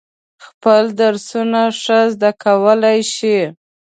خپل درسونه ښه زده کولای شي.